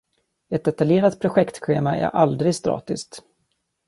Ett detaljerat projektschema är aldrig statiskt.